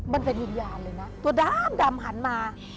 มันเป็นวิญญาณเลยนะตัวดำหันมา